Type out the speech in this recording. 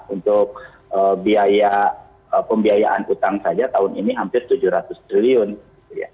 untuk biaya pembiayaan utang saja tahun ini hampir tujuh ratus triliun gitu ya